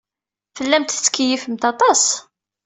Tellamt tettkeyyifemt aṭas.